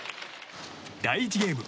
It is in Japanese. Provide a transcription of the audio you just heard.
第１ゲーム。